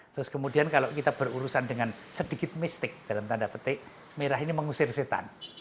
terus kemudian kalau kita berurusan dengan sedikit mistik dalam tanda petik merah ini mengusir setan